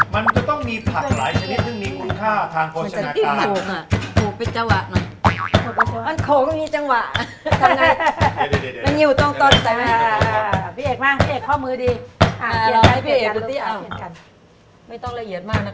มันจะต้องมีผักหลายชนิดซึ่งมีคุณค่าทางโฆษณา